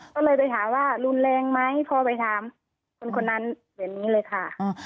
ก็เลยไปถามว่ารุนแรงไหมพอไปถามคนนั้นอย่างนี้เลยค่ะ